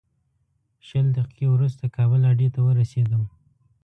شل دقیقې وروسته کابل اډې ته ورسېدو.